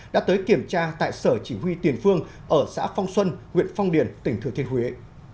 đã tới kiểm tra tại sở chỉ huy tiền phương ở xã phong xuân huyện phong điền tỉnh thừa thiên huế